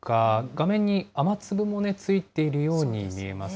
画面に雨粒もね、ついているように見えます。